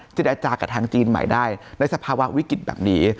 อาจารย์จากับทางจีนใหม่ได้ในสภาวะวิกฤตแบบนี้